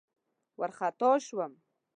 وارخطا شوم.